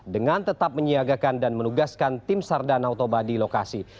dengan tetap menyiagakan dan menugaskan tim sardanau toba di lokasi